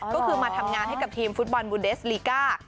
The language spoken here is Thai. ก็คือมาทำงานให้กับทีมฟุตบอลบูเดสลิก้า